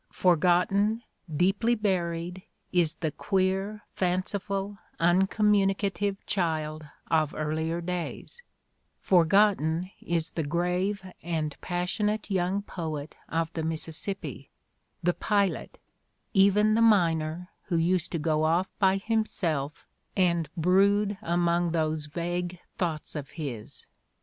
Forgot ten, deeply buried, is the "queer, fanciful, uncommuni cative child" of earlier days, forgotten is the grave and passionate young poet of the Mississippi, the pilot, even the miner who used to go off by himself and brood among those vague thoughts of his.